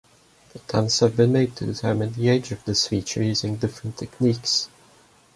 Attempts have been made to determine the age of this feature using different techniques.